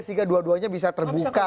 sehingga dua duanya bisa terbuka